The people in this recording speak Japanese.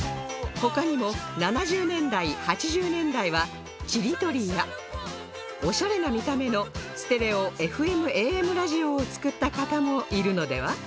他にも７０年代８０年代はちりとりやオシャレな見た目のステレオ ＦＭ／ＡＭ ラジオを作った方もいるのでは？